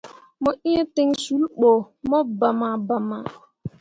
Mo iŋ ten sul ɓo mo bama bama.